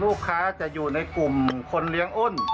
ลูกค้าจะอยู่ในกลุ่มคนเลี้ยงอ้น